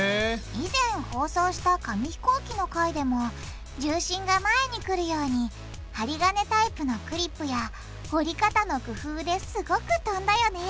以前放送した紙飛行機の回でも重心が前に来るように針金タイプのクリップや折り方の工夫ですごく飛んだよね